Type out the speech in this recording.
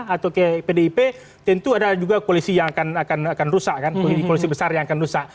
atau ke pdip tentu ada juga koalisi yang akan rusak kan di koalisi besar yang akan rusak